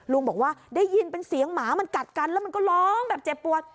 ลุงบอกว่าได้ยินเป็นเสียงหมามันกัดกันแล้วมันก็ร้องแบบเจ็บปวด